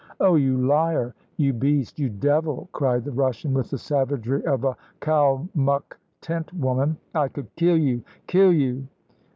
"Oh, you liar, you beast, you devil!" cried the Russian, with the savagery of a Kalmuck tent woman. "I could kill you kill you."